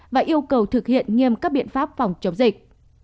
và yêu cầu thực hiện nghiêm các biện pháp phòng chống dịch